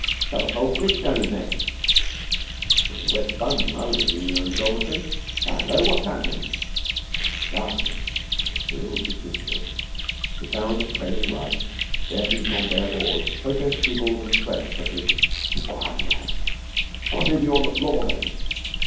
"Shove a cold cleek down his neck." "It was a wet sponge when I was junior in the dormitory... Hullo! What's happening?" The darkness had filled with whispers, the sound of trailing rugs, bare feet on bare boards, protests, giggles, and threats such as: "Be quiet, you ass!... Squattez vous on the floor, then!...